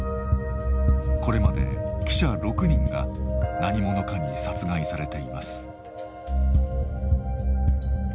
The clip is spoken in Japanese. これまで記者６人が何者かに殺害されています。